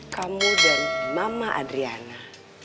kamu dan mama adriana